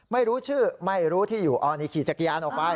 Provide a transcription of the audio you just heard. ไม่รู้ชื่อไม่รู้ที่อยู่อันนี้ขี่จักรยานออกไป